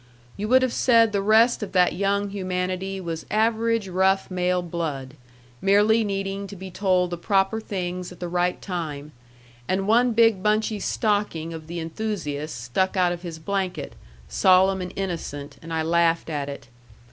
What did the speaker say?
You would have said the rest of that young humanity was average rough male blood, merely needing to be told the proper things at the right time; and one big bunchy stocking of the enthusiast stuck out of his blanket, solemn and innocent, and I laughed at it.